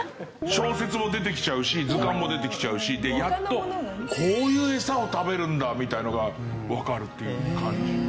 小説も出てきちゃうし図鑑も出てきちゃうしやっとこういうエサを食べるんだみたいのがわかるっていう感じ。